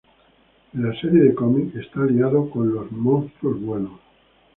En la serie de cómics, está aliado con los monstruos buenos.